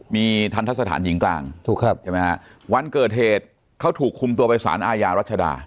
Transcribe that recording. มีทันทะสถานหญิงกลางถูกครับใช่ไหมฮะวันเกิดเหตุเขาถูกคุมตัวไปสารอาญารัชดา